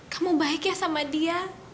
kamu baik ya sama dia